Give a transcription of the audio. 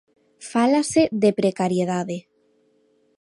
Fálase de precariedade.